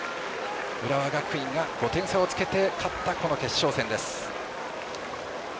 浦和学院が５点差をつけて勝った、この決勝戦です。